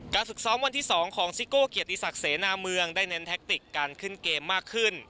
ฝึกซ้อมวันที่๒ของซิโก้เกียรติศักดิ์เสนาเมืองได้เน้นแท็กติกการขึ้นเกมมากขึ้น